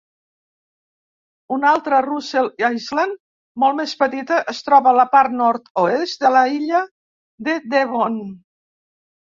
Una altra Russell Island, molt més petita, es troba a la part nord-oest de l'illa de Devon.